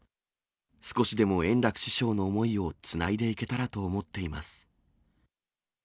少しでも円楽師匠の思いをつないでいけたらと思っています。